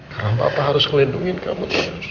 karena bapak harus melindungi kamu